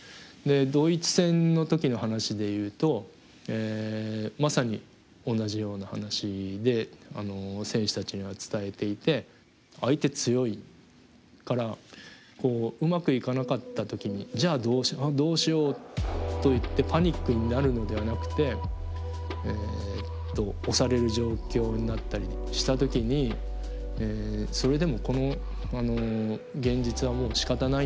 ドイツ戦の時の話でいうとまさに同じような話で選手たちには伝えていて相手強いからうまくいかなかった時にじゃあどうしようといってパニックになるのではなくてえっと押される状況になったりした時にそれでもこの現実はもうしかたないんだ。